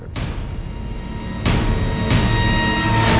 ถ้าแต่ชีวิตเราพูดอุ่นถ้าเล่าหน่อยกลุ่มจะสักบันการเสนอ